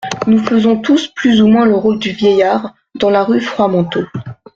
Nous faisons tous plus ou moins le rôle du vieillard dans la rue Froidmanteau.